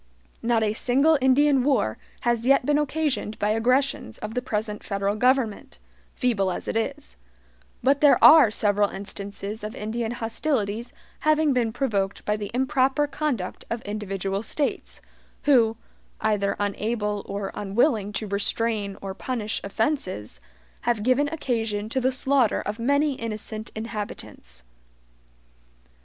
Not a single Indian war has yet been occasioned by aggressions of the present federal government, feeble as it is; but there are several instances of Indian hostilities having been provoked by the improper conduct of individual States, who, either unable or unwilling to restrain or punish offenses, have given occasion to the slaughter of many innocent inhabitants.